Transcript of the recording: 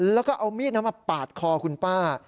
แล้วก็เอามีดนั้นมาปาดคอคุณป้า